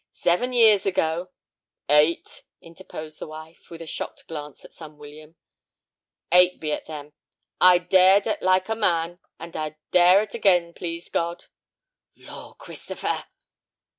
Seven years ago—" "Eight," interposed the wife, with a shocked glance at son William. "Eight be ut, then—I dared ut like a man, and I'd dare ut again, please God." "Lor', Christopher!"